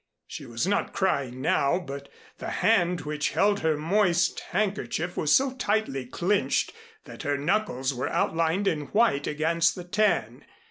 She was not crying now, but the hand which held her moist handkerchief was so tightly clenched that her knuckles were outlined in white against the tan.